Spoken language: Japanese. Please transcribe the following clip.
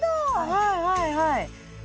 はいはいはい。